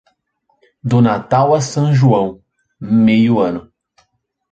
Do Natal a São João, meio ano.